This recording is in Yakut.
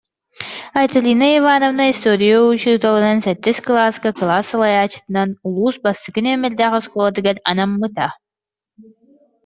Айталина Ивановна история учууталынан, сэттис кылааска кылаас салайааччытынан улуус бастакы нүөмэрдээх оскуолатыгар анаммыта